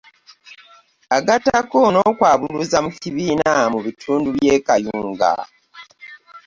Agattako n'okwabuluza mu kibiina mu bitundu by'e Kayunga.